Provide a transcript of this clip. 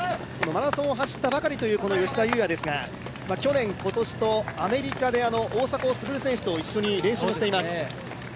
マラソンを走ったばかりの吉田祐也ですが、去年、今年とアメリカで大迫傑選手と一緒に練習しています。